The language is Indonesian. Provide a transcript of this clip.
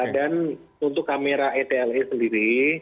dan untuk kamera etle sendiri